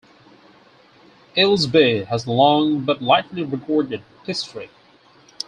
Aylesbeare has a long, but lightly recorded, history.